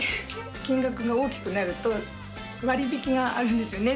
金額が大きくなると割引があるんですよね。